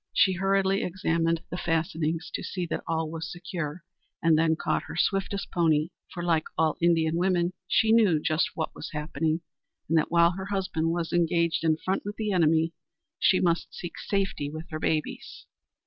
She hurriedly examined the fastenings to see that all was secure, and then caught her swiftest pony, for, like all Indian women, she knew just what was happening, and that while her husband was engaged in front with the enemy, she must seek safety with her babies.